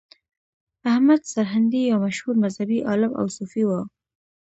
احمد سرهندي یو مشهور مذهبي عالم او صوفي و.